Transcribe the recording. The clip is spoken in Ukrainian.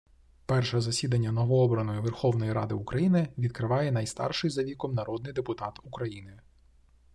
Перше засідання новообраної Верховної Ради України відкриває найстарший за віком народний депутат України.